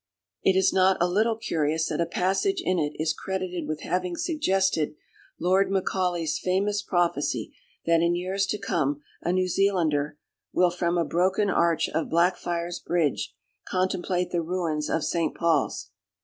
It is not a little curious that a passage in it is credited with having suggested Lord Macaulay's famous prophecy that in years to come a New Zealander "will from a broken arch of Blackfriars Bridge contemplate the ruins of St. Paul's."